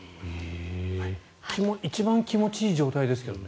一番気持ちいい状態ですけどね。